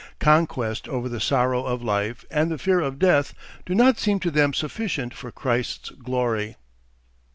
Conquest over the sorrow of life and the fear of death do not seem to them sufficient for Christ's glory.